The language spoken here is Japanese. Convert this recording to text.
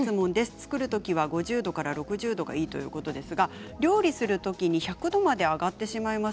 造るときは５０度から６０度がいいということですが料理をするときに１００度まで上がってしまいます。